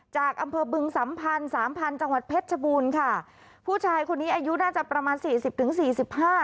จากอำเภอบึงสัมพันธ์สามพันธุ์จังหวัดเพชรชบูรณ์ค่ะผู้ชายคนนี้อายุน่าจะประมาณสี่สิบถึงสี่สิบห้า